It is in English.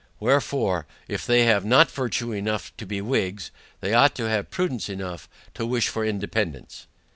WHEREFORE, if they have not virtue enough to be WHIGS, they ought to have prudence enough to wish for Independance.